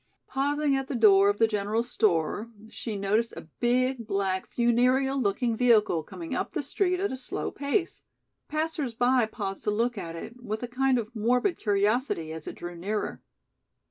Pausing at the door of the general store, she noticed a big, black, funereal looking vehicle coming up the street at a slow pace. Passers by paused to look at it, with a kind of morbid curiosity, as it drew nearer.